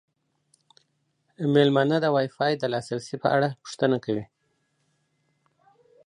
میلمانه د وای فای د لاسرسي په اړه پوښتنه کوي.